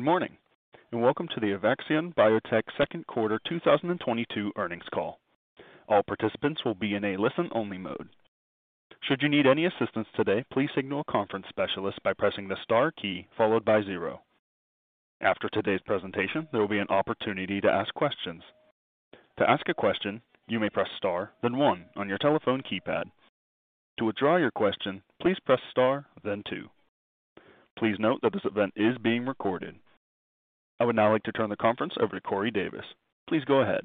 Good morning, and welcome to the Evaxion Biotech Q2 2022 Earnings Call. All participants will be in a listen only mode. Should you need any assistance today, please signal a conference specialist by pressing the star key followed by zero. After today's presentation, there will be an opportunity to ask questions. To ask a question, you may press star, then one on your telephone keypad. To withdraw your question, please press star, then two. Please note that this event is being recorded. I would now like to turn the conference over to Corey Davis. Please go ahead.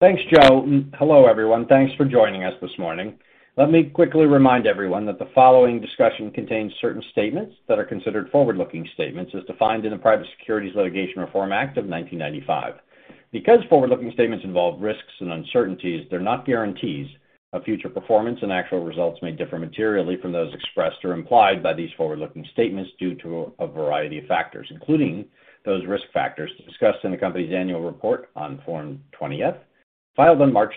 Thanks, Joe. Hello, everyone. Thanks for joining us this morning. Let me quickly remind everyone that the following discussion contains certain statements that are considered forward-looking statements as defined in the Private Securities Litigation Reform Act of 1995. Because forward-looking statements involve risks and uncertainties, they're not guarantees of future performance, and actual results may differ materially from those expressed or implied by these forward-looking statements due to a variety of factors, including those risk factors discussed in the company's annual report on Form 20-F, filed on 31 March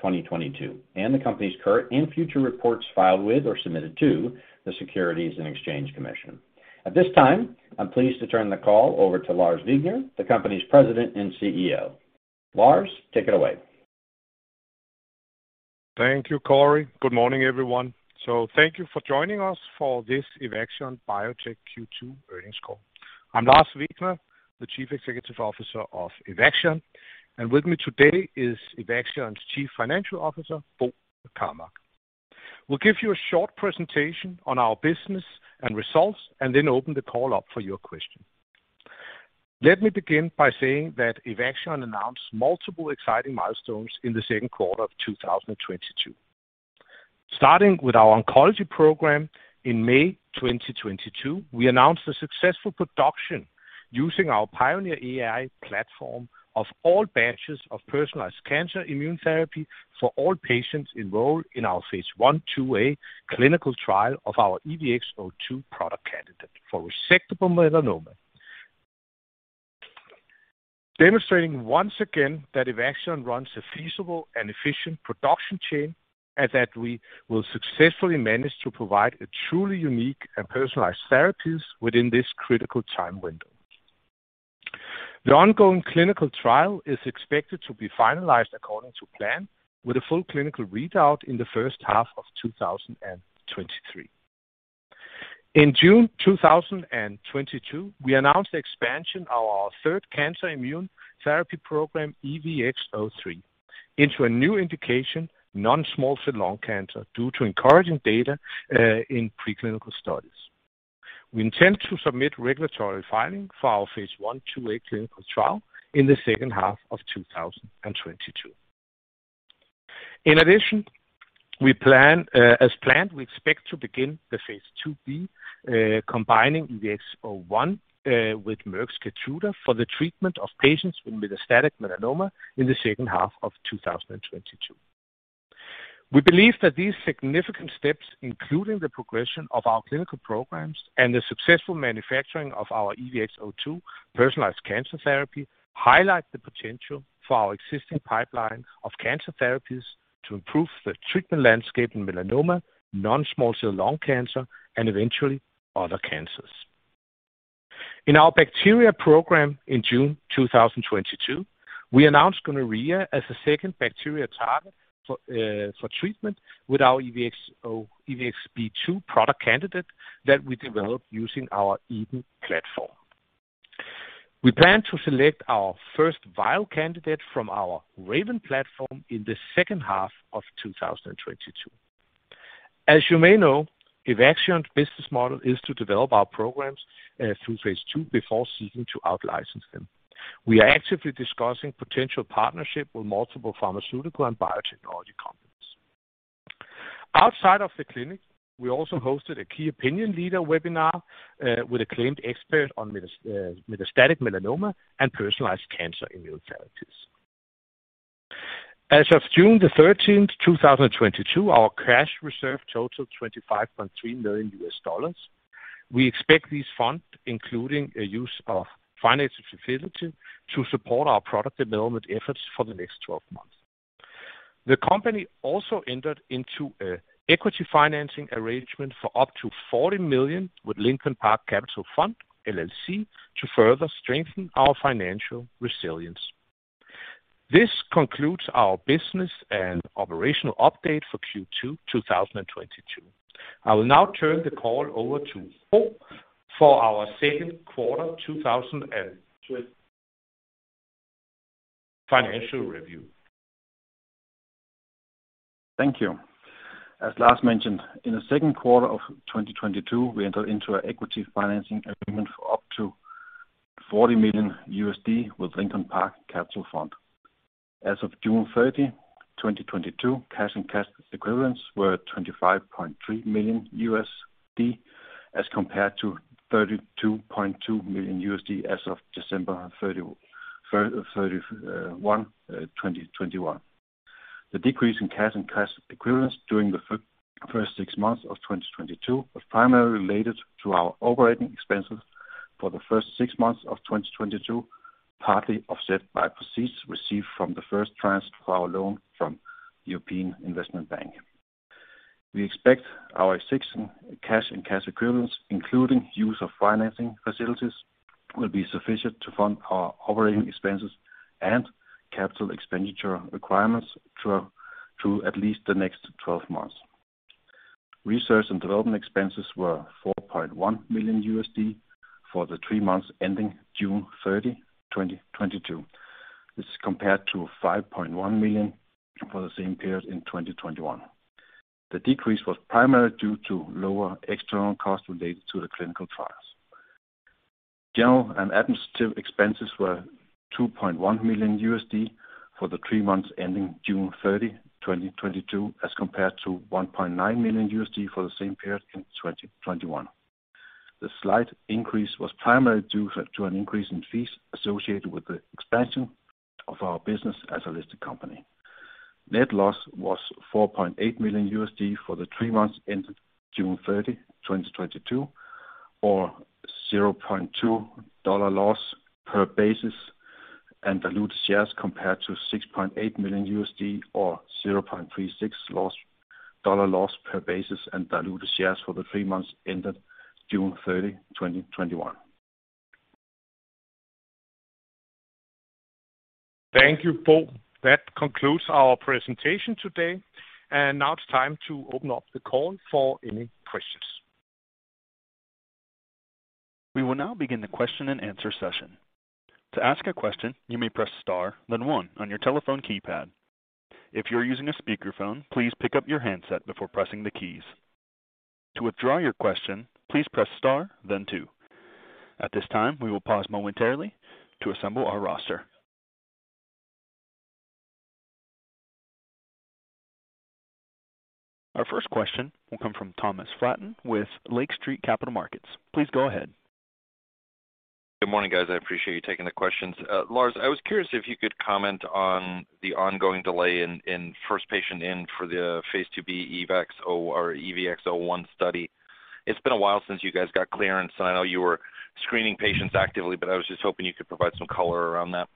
2022, and the company's current and future reports filed with or submitted to the Securities and Exchange Commission. At this time, I'm pleased to turn the call over to Lars Wegner, the company's President and CEO. Lars, take it away. Thank you, Corey. Good morning, everyone. Thank you for joining us for this Evaxion Biotech Q2 earnings call. I'm Lars Wegner, the Chief Executive Officer of Evaxion, and with me today is Evaxion's Chief Financial Officer, Bo Karmark. We'll give you a short presentation on our business and results and then open the call up for your question. Let me begin by saying that Evaxion announced multiple exciting milestones in the Q2 of 2022. Starting with our oncology program in May 2022, we announced the successful production using our Pioneer AI platform of all batches of personalized cancer immunotherapy for all patients enrolled in our phase I/IIa clinical trial of our EVX-02 product candidate for resectable melanoma. Demonstrating once again that Evaxion runs a feasible and efficient production chain and that we will successfully manage to provide a truly unique and personalized therapies within this critical time window. The ongoing clinical trial is expected to be finalized according to plan with a full clinical readout in the first half of 2023. In June 2022, we announced the expansion of our third cancer immune therapy program, EVX-03, into a new indication, non-small cell lung cancer, due to encouraging data in pre-clinical studies. We intend to submit regulatory filing for our phase I/II a clinical trial in the second half of 2022. In addition, we plan, as planned, we expect to begin the phase IIb, combining EVX-01 with Merck's Keytruda for the treatment of patients with metastatic melanoma in the second half of 2022. We believe that these significant steps, including the progression of our clinical programs and the successful manufacturing of our EVX-02 personalized cancer therapy, highlight the potential for our existing pipeline of cancer therapies to improve the treatment landscape in melanoma, non-small cell lung cancer, and eventually other cancers. In our bacteria program in June 2022, we announced gonorrhea as a second bacteria target for treatment with our EVX-B2 product candidate that we developed using our Eden platform. We plan to select our first viral candidate from our RAVEN platform in the second half of 2022. As you may know, Evaxion's business model is to develop our programs through phase II before seeking to out-license them. We are actively discussing potential partnership with multiple pharmaceutical and biotechnology companies. Outside of the clinic, we also hosted a key opinion leader webinar with an acclaimed expert on metastatic melanoma and personalized cancer immunotherapies. As of 13 June 2022, our cash reserve totaled $25.3 million. We expect these funds, including an undrawn financial facility, to support our product development efforts for the next 12 months. The company also entered into an equity financing arrangement for up to $40 million with Lincoln Park Capital Fund, LLC to further strengthen our financial resilience. This concludes our business and operational update for Q2 2022. I will now turn the call over to Bo for our Q2 2022 financial review. Thank you. As Lars mentioned, in the Q2 of 2022, we entered into an equity financing agreement for up to $40 million with Lincoln Park Capital Fund. As of June 30, 2022, cash and cash equivalents were $25.3 million as compared to $32.2 million as of 31 December 2021. The decrease in cash and cash equivalents during the first six months of 2022 was primarily related to our operating expenses for the first six months of 2022, partly offset by proceeds received from the first tranche for our loan from European Investment Bank. We expect our existing cash and cash equivalents, including use of financing facilities, will be sufficient to fund our operating expenses and capital expenditure requirements through at least the next 12 months. Research and development expenses were $4.1 million for the three months ending 30 June 2022. This is compared to $5.1 million for the same period in 2021. The decrease was primarily due to lower external costs related to the clinical trials. General and administrative expenses were $2.1 million for the three months ending 30 June 2022, as compared to $1.9 million for the same period in 2021. The slight increase was primarily due to an increase in fees associated with the expansion of our business as a listed company. Net loss was $4.8 million for the three months ended 30 June 2022, or $0.2 loss per basic and diluted shares compared to $6.8 million or $0.36 loss per basic and diluted shares for the three months ended 30 June 2021. Thank you, Bo. That concludes our presentation today. Now it's time to open up the call for any questions. We will now begin the question-and-answer session. To ask a question, you may press star then one on your telephone keypad. If you're using a speakerphone, please pick up your handset before pressing the keys. To withdraw your question, please press star then two. At this time, we will pause momentarily to assemble our roster. Our first question will come from Thomas Flaten with Lake Street Capital Markets. Please go ahead. Good morning, guys. I appreciate you taking the questions. Lars, I was curious if you could comment on the ongoing delay in first patient in for the phase IIb EVX-01 study. It's been a while since you guys got clearance, and I know you were screening patients actively, but I was just hoping you could provide some color around that.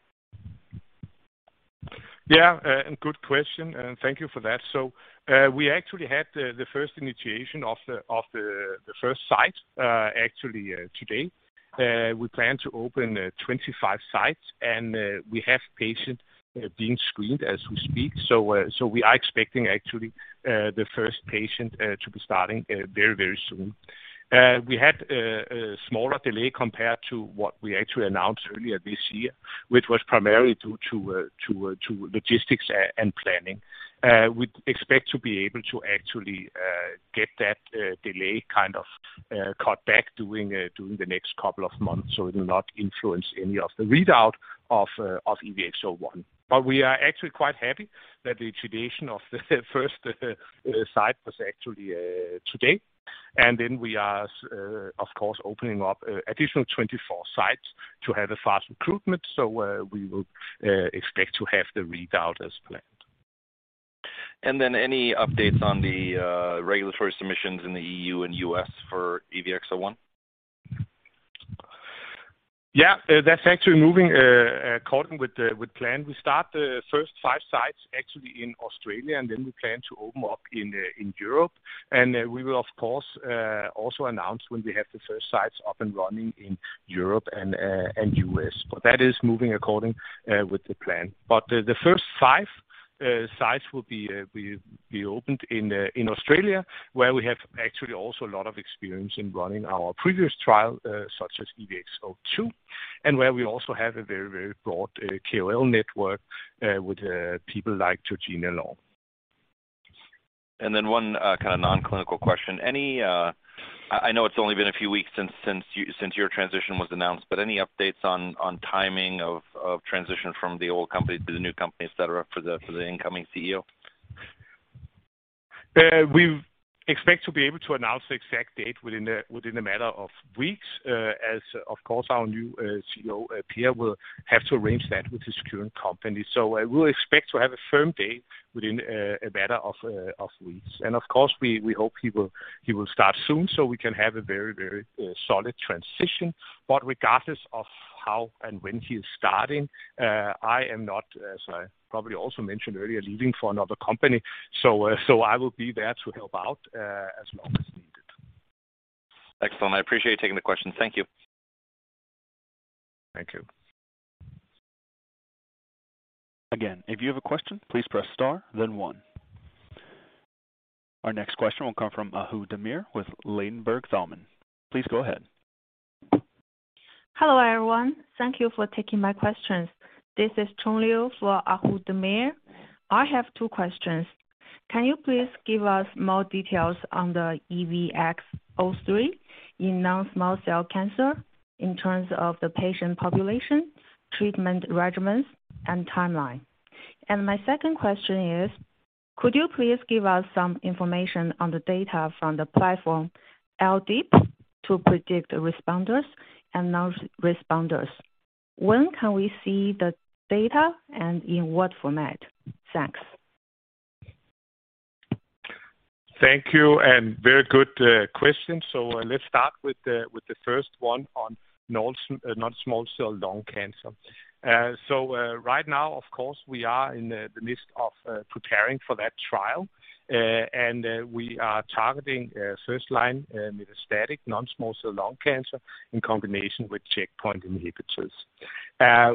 Yeah, good question, and thank you for that. We actually had the first initiation of the first site actually today. We plan to open 25 sites and we have patients being screened as we speak. We are expecting actually the first patient to be starting very soon. We had a smaller delay compared to what we actually announced earlier this year, which was primarily due to logistics and planning. We expect to be able to actually get that delay kind of cut back during the next couple of months, so it will not influence any of the readout of EVX-01. We are actually quite happy that the initiation of the first site was actually today. Then we are of course opening up additional 24 sites to have a fast recruitment. We will expect to have the readout as planned. Any updates on the regulatory submissions in the E.U. and U.S. for EVX-01? Yeah, that's actually moving according with the plan. We start the first five sites actually in Australia, and then we plan to open more up in Europe. We will of course also announce when we have the first sites up and running in Europe and U.S. That is moving according with the plan. The first five sites will be opened in Australia, where we have actually also a lot of experience in running our previous trial such as EVX-02, and where we also have a very broad KOL network with people like Georgina Long. One kind of non-clinical question. Any, I know it's only been a few weeks since your transition was announced, but any updates on timing of transition from the old company to the new company, et cetera, for the incoming CEO? We expect to be able to announce the exact date within a matter of weeks. Of course our new CEO, Per, will have to arrange that with his current company. I will expect to have a firm date within a matter of weeks. Of course, we hope he will start soon, so we can have a very solid transition. Regardless of how and when he is starting, I am not, as I probably also mentioned earlier, leaving for another company. I will be there to help out as long as needed. Excellent. I appreciate you taking the question. Thank you. Thank you. Again, if you have a question, please press star then one. Our next question will come from Ahu Demir with Ladenburg Thalmann. Please go ahead. Hello, everyone. Thank you for taking my questions. This is Chong Liu for Ahu Demir. I have two questions. Can you please give us more details on the EVX-03 in non-small cell cancer in terms of the patient population, treatment regimens, and timeline? My second question is, could you please give us some information on the data from the platform AI-DeeP to predict responders and non-responders? When can we see the data and in what format? Thanks. Thank you, and very good question. Let's start with the first one on non-small cell lung cancer. Right now, of course, we are in the midst of preparing for that trial. We are targeting first line metastatic non-small cell lung cancer in combination with checkpoint inhibitors.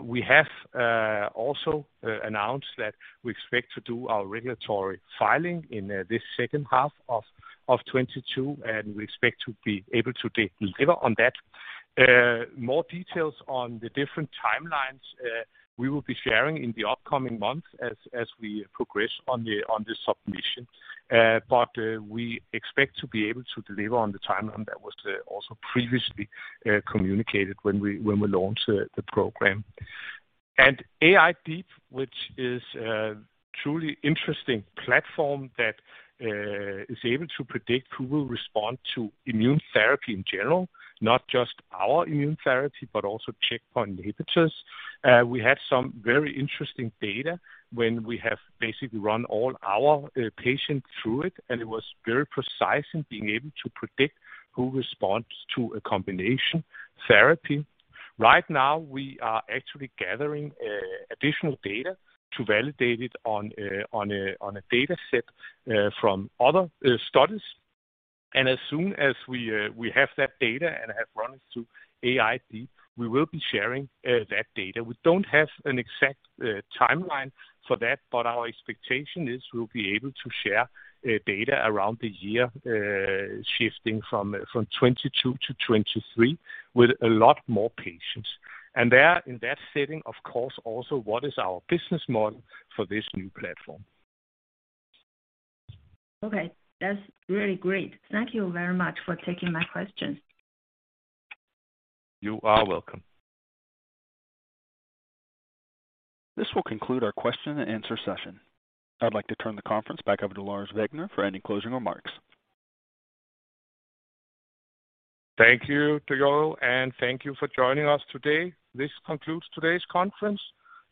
We have also announced that we expect to do our regulatory filing in this second half of 2022, and we expect to be able to deliver on that. More details on the different timelines we will be sharing in the upcoming months as we progress on the submission. We expect to be able to deliver on the timeline that was also previously communicated when we launched the program. AI-DeeP, which is a truly interesting platform that is able to predict who will respond to immune therapy in general, not just our immune therapy, but also checkpoint inhibitors. We had some very interesting data when we have basically run all our patients through it, and it was very precise in being able to predict who responds to a combination therapy. Right now we are actually gathering additional data to validate it on a dataset from other studies. As soon as we have that data and have run it through AI-DeeP, we will be sharing that data. We don't have an exact timeline for that, but our expectation is we'll be able to share data around the year shifting from 2022 to 2023 with a lot more patients. There in that setting, of course, also what is our business model for this new platform? Okay. That's really great. Thank you very much for taking my question. You are welcome. This will conclude our question and answer session. I'd like to turn the conference back over to Lars Wegner for any closing remarks. Thank you to you, and thank you for joining us today. This concludes today's conference.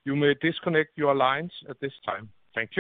You may disconnect your lines at this time. Thank you.